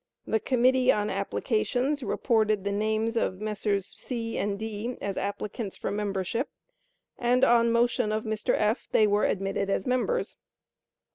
The committee on Applications reported the names of Messrs. C. and D. as applicants for membership; and on motion of Mr. F. they were admitted as members.